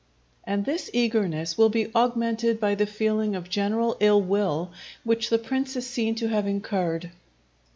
And this eagerness will be augmented by the feeling of general ill will which the prince is seen to have incurred.